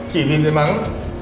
chỉ vì cái mắng